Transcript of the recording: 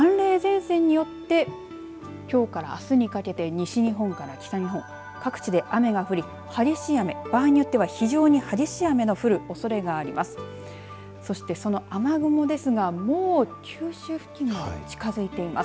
この寒冷前線によってきょうからあすにかけて西日本から北日本各地で雨が降り激しい雨、場合によっては非常に激しい雨の降るおそれがあります。